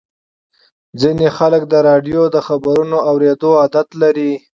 ځینې خلک د راډیو د خبرونو اورېدو عادت لري.